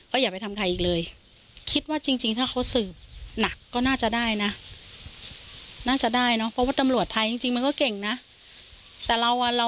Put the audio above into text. ก็อย่าไปทำใครอีกเลย